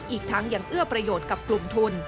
อีกทั้งยังเอื้อประโยชน์กับกลุ่มทุน